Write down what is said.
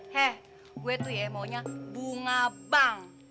hei gue tuh ya maunya bunga bang